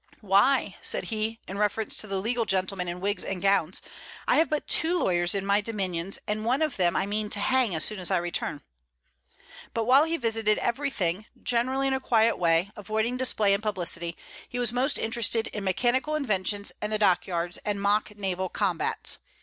"Why," said he, in reference to the legal gentlemen in wigs and gowns, "I have but two lawyers in my dominions, and one of them I mean to hang as soon as I return." But while he visited everything, generally in a quiet way, avoiding display and publicity, he was most interested in mechanical inventions and the dock yards and mock naval combats.